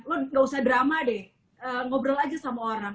lon gak usah drama deh ngobrol aja sama orang